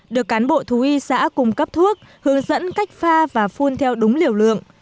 được cán bộ thú y xã cung cấp thuốc hướng dẫn cách pha và phun theo đúng liều lượng